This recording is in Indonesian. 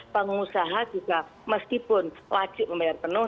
pengusaha juga meskipun wajib membayar penuh